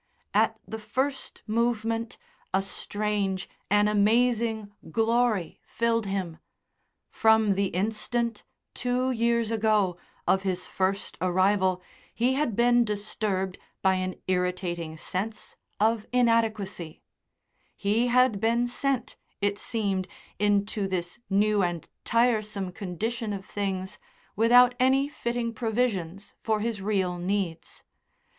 At the first movement a strange, an amazing glory filled him. From the instant, two years ago, of his first arrival he had been disturbed by an irritating sense of inadequacy; he had been sent, it seemed, into this new and tiresome condition of things without any fitting provisions for his real needs.